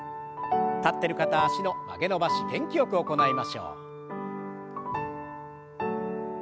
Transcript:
立ってる方は脚の曲げ伸ばし元気よく行いましょう。